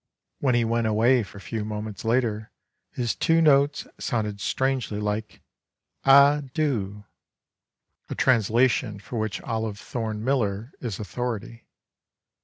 When he went away a few moments later, his two notes sounded strangely like "A—dieu"—a translation for which Olive Thorn Miller is authority.